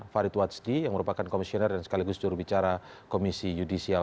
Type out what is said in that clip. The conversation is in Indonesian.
farid watski yang merupakan komisioner dan sekaligus jurubicara komisi yudisial